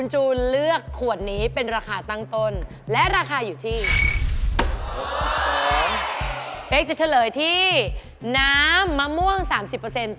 หนักแอปเปิ้ลผสมมะหมุนขาวค่ะ